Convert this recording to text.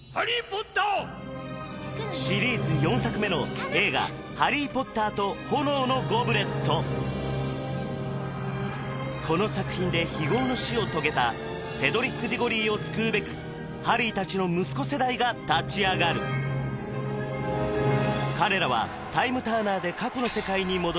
シリーズ４作目のこの作品で非業の死を遂げたセドリック・ディゴリーを救うべくハリーたちの息子世代が立ち上がる彼らはタイムターナーで過去の世界に戻り